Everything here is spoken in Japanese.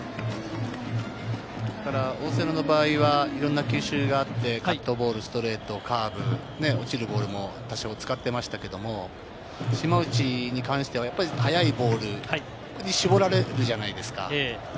大瀬良の場合は、いろんな球種があって、カットボール、ストレート、カーブ、落ちるボールも使ってましたけれど、島内に関しては速いボールに絞られるじゃないですか。